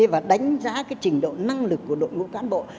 và đánh giá trình độ năng lực của đội ngũ cán bộ